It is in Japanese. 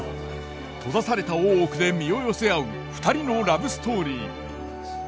閉ざされた大奥で身を寄せ合う２人のラブストーリー。